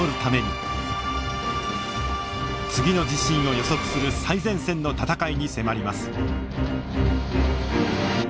次の地震を予測する最前線の闘いに迫ります。